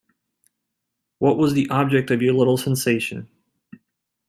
What was the object of your little sensation.